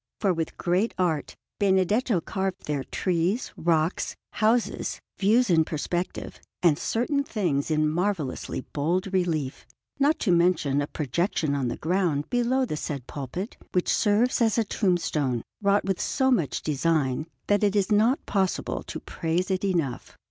For with great art Benedetto carved there trees, rocks, houses, views in perspective, and certain things in marvellously bold relief; not to mention a projection on the ground below the said pulpit, which serves as a tombstone, wrought with so much design that it is not possible to praise it enough.